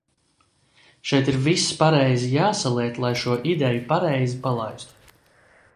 Šeit ir viss pareizi jāsaliek, lai šo ideju pareizi palaistu.